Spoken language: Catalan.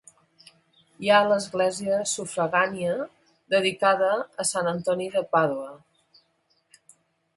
Hi ha l'església sufragània dedicada a Sant Antoni de Pàdua.